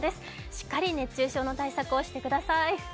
しっかり熱中症の対策をしてください。